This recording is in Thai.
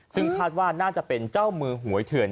ซึ่งคาดว่าน่าจะเป็นเจ้ามือหวยเถื่อน